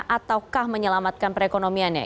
ataukah menyelamatkan perekonomiannya